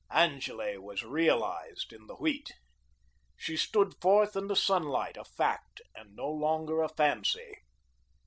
Angele was realised in the Wheat. She stood forth in the sunlight, a fact, and no longer a fancy.